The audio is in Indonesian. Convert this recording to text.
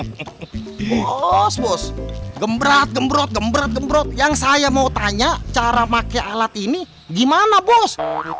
bos bos gembrat gembrot gembrot gembrot yang saya mau tanya cara pakai alat ini gimana bos